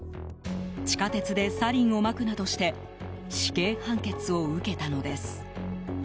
地下鉄でサリンをまくなどして死刑判決を受けたのです。